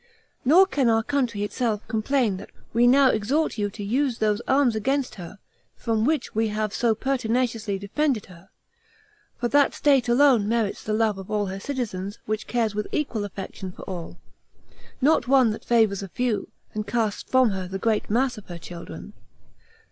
Nor can our country itself complain that we now exhort you to use those arms against her, from which we have so pertinaciously defended her; for that state alone merits the love of all her citizens, which cares with equal affection for all; not one that favors a few, and casts from her the great mass of her children.